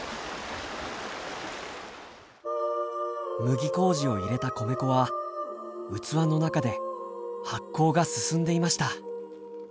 麦麹を入れた米粉は器の中で発酵が進んでいました。